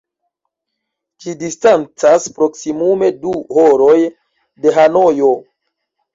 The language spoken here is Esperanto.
Ĝi distancas proksimume du horoj de Hanojo.